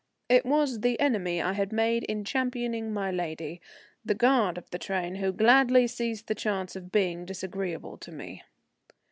It was the enemy I had made in championing my lady, the guard of the train, who gladly seized the chance of being disagreeable to me.